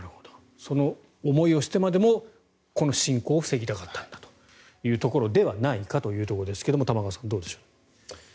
その思いをしてまでもこの侵攻を防ぎたかったんだというところではないかということですが玉川さん、どうでしょう。